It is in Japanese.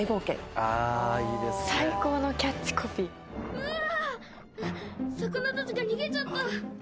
うわ、魚たちが逃げちゃった。